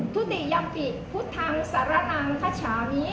ทุติยังปิตพุทธังสาระนังขาชามี